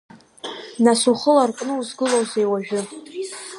Нас ухы ларҟәны узгылоузеи уажәы?